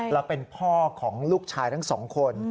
แล้วเป็นพ่อของลูกชายทั้งสองคน